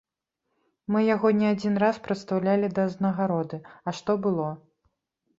Мы яго не адзін раз прадстаўлялі да ўзнагароды, а што было?